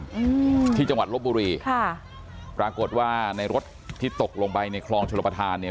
อืมที่จังหวัดลบบุรีค่ะปรากฏว่าในรถที่ตกลงไปในคลองชลประธานเนี้ย